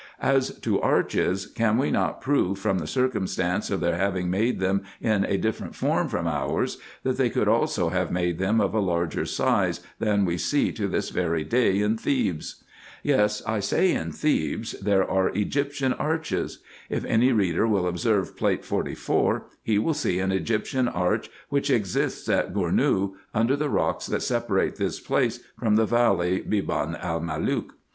As to arches, can we not prove, from the circumstance of their having made them in a different form from ours, that they could also have made them of a larger size, than we see to this very day in Thebes ? Yes, I say, in Thebes there are Egyptian arches. If any reader will observe Plate 44, he will see an Egyptian arch which exists at Gournou, under the rocks that separate this place from the valley Beban el Malook.